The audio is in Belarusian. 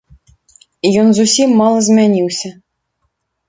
Ён зусім мала змяніўся.